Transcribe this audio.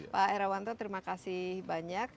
pak herawanto terima kasih banyak